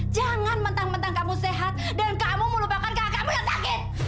jangan mentang mentang kamu sehat dan kamu melupakan kakak kamu yang sakit